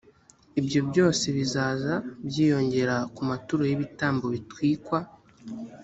ibyo byose bizaza byiyongera ku maturo y’ibitambo bitwikwa